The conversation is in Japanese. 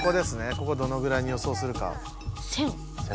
ここどのぐらいに予想するか。